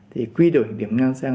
thì quy đổi điểm ngang sang